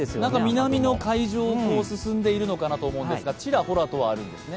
南の海上を進んでいるのかなと思うんですがちらほらとはあるんですね。